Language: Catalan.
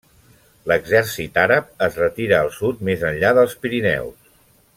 L'exèrcit àrab es retirà al sud més enllà dels Pirineus.